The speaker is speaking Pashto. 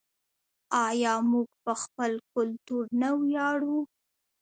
آیا موږ په خپل کلتور نه ویاړو؟